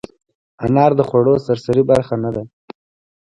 انار د خوړو سرسري برخه نه ده.